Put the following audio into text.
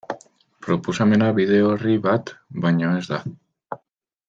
Proposamena bide orri bat baino ez da.